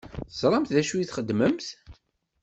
Teẓṛamt d acu i txeddmemt?